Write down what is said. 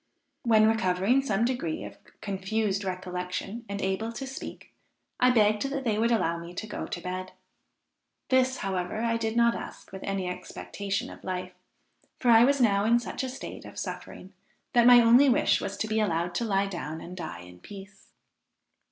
When recovering some degree of confused recollection, and able to speak, I begged that they would allow me to go to bed. This, however, I did not ask with any expectation of life, for I was now in such a state of suffering, that my only wish was to be allowed to lie down and die in peace.